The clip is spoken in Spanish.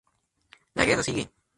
La guerra sigue.